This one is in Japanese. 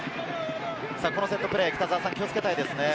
このセットプレー、気をつけたいですね。